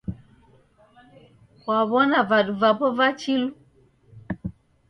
Kwaw'ona vadu vapo va chilu?